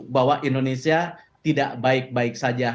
bahwa indonesia tidak baik baik saja